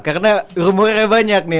karena rumornya banyak nih